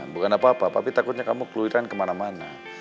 bukan apa apa tapi takutnya kamu keluiran kemana mana